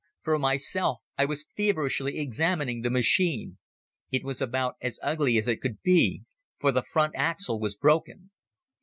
For myself I was feverishly examining the machine. It was about as ugly as it could be, for the front axle was broken.